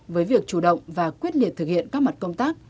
với việc chủ động và quyết liệt thực hiện các mặt công tác